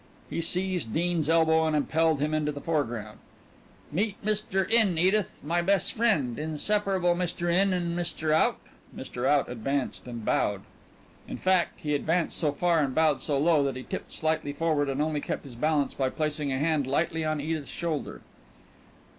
He seized Dean's elbow and impelled him into the foreground. "Meet Mr. In, Edith, my bes' frien'. Inseparable. Mr. In and Mr. Out." Mr. Out advanced and bowed; in fact, he advanced so far and bowed so low that he tipped slightly forward and only kept his balance by placing a hand lightly on Edith's shoulder.